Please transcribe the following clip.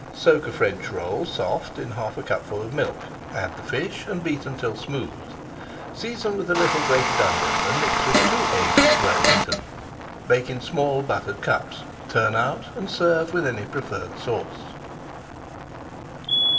Soak a French roll soft in half a cupful of milk, add the fish, and beat until smooth. Season with a little grated onion and mix with two eggs well beaten. Bake in small buttered cups, turn out, and serve with any preferred sauce.